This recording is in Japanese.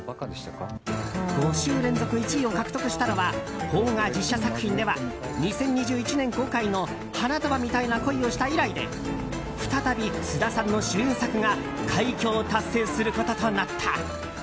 ５週連続１位を獲得したのは邦画実写作品では２０２１年公開の「花束みたいな恋をした」以来で再び菅田さんの主演作が快挙を達成することとなった。